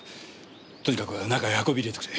とにかく中へ運び入れてくれ。